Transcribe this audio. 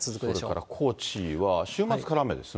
それから高知は週末から雨ですね。